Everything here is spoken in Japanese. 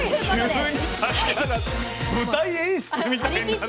舞台演出みたいになって。